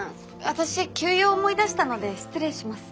私急用を思い出したので失礼します。